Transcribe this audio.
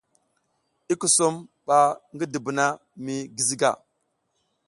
I kusom ba ngi dubuna mi giziga.